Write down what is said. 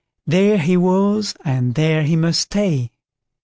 There he was, and there he must stay.